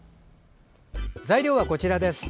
材料はこちらです。